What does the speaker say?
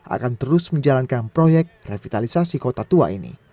akan terus menjalankan proyek revitalisasi kota tua ini